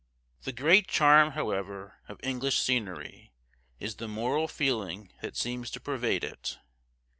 The great charm, however, of English scenery, is the moral feeling that seems to pervade it.